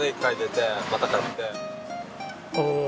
おお